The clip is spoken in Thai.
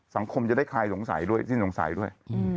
สังคมจะได้คลายสงสัยด้วยสิ้นสงสัยด้วย